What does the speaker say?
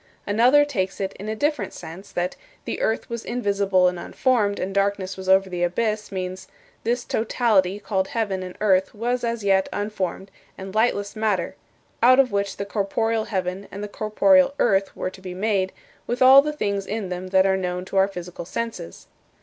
Another takes it in a different sense, that "But the earth was invisible and unformed, and darkness was over the abyss" means, "This totality called heaven and earth was as yet unformed and lightless matter, out of which the corporeal heaven and the corporeal earth were to be made, with all the things in them that are known to our physical senses."